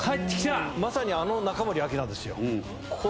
まさにあの中森明菜ですよ。